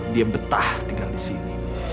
dia betah tinggal disini